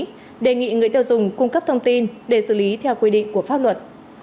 cơ quan quản lý đề nghị người tiêu dùng cung cấp thông tin để xử lý theo quy định của pháp luật